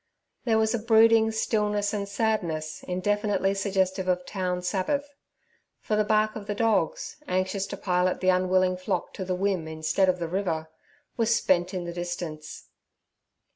There was a brooding stillness and sadness indefinitely suggestive of town Sabbath; for the bark of the dogs, anxious to pilot the unwilling flock to the wim instead of the river, was spent in the distance.